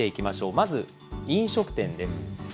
まず飲食店です。